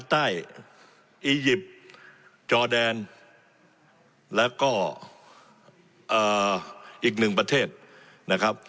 ใต้อียิปต์จอแดนแล้วก็อีกหนึ่งประเทศนะครับ